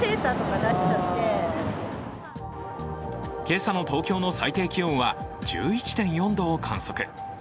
今朝の東京の最低気温は１１．４度を観測。